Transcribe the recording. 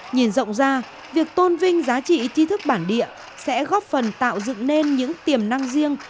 nhìn rộng ra việc tôn vinh giá trị chi thức bản địa sẽ góp phần tạo dựng nên những tiềm năng riêng